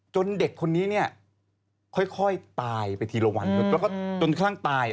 จนเด็กคนนี้นี่ค่อยตายไปทีละวันแล้วก็ตาย